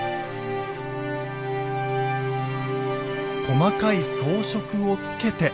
細かい装飾をつけて。